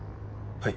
はい。